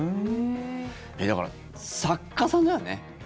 だから作家さんだよね。